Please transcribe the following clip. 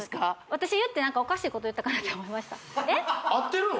私言って何かおかしいこと言ったかなって思いましたあってるの？